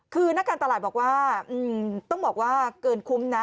คือนักการตลาดบอกว่าต้องบอกว่าเกินคุ้มนะ